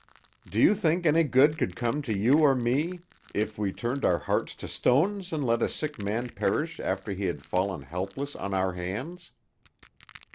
"Do you think any good could come to you or me if we turned our hearts to stones and let a sick man perish after he had fallen helpless on our hands?"